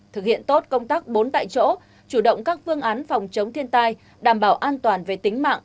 thực hiện tốt công tác bốn tại chỗ chủ động các phương án phòng chống thiên tai đảm bảo an toàn về tính mạng